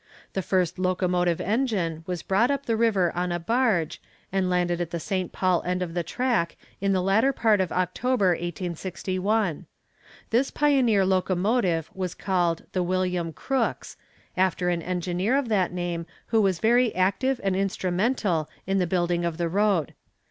The first locomotive engine was brought up the river on a barge, and landed at the St. Paul end of the track in the latter part of October, 1861. This pioneer locomotive was called the "William Crooks," after an engineer of that name who was very active and instrumental in the building of the road.